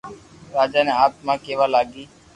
راجا ني آتما ڪيوا لاگي